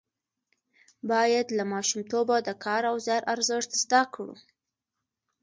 باید له ماشومتوبه د کار او زیار ارزښت زده کړو.